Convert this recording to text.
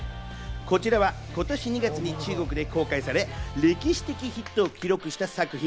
こちらは今年２月に中国で公開され、歴史的ヒットを記録した作品。